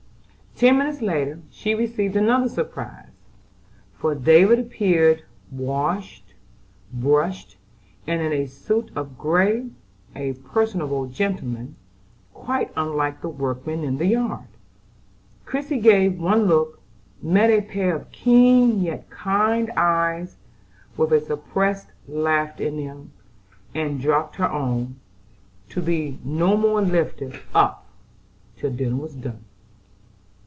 Ten minutes later she received another surprise; for David appeared washed, brushed, and in a suit of gray,—a personable gentleman, quite unlike the workman in the yard. Christie gave one look, met a pair of keen yet kind eyes with a suppressed laugh in them, and dropped her own, to be no more lifted up till dinner was done.